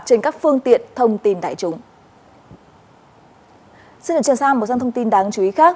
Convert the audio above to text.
trên các phương tiện thông tin đại chúng